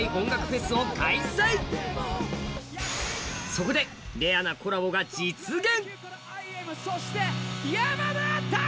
そこでレアなコラボが実現。